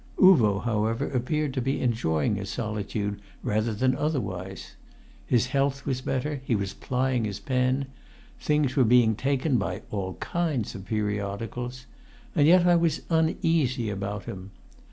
Uvo, however, appeared to be enjoying his solitude rather than otherwise; his health was better, he was plying his pen, things were being taken by all kinds of periodicals. And yet I was uneasy about him.